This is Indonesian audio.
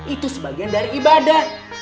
itu sebagian dari ibadah